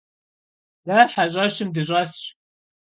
De heş'eşım dış'esş.